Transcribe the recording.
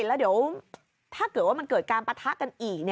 แล้วเดี๋ยวถ้าเกิดว่ามันเกิดการปะทะกันอีก